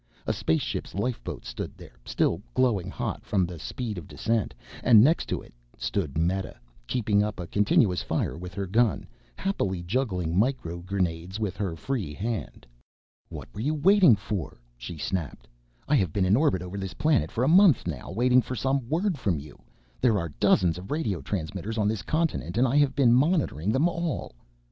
A spaceship's lifeboat stood there, still glowing hot from the speed of descent, and next to it stood Meta keeping up a continuous fire with her gun, happily juggling micro grenades with her free hand. "What were you waiting for," she snapped. "I have been in orbit over this planet for a month now, waiting for some word from you. There are dozens of radio transmitters on this continent and I have been monitoring them all."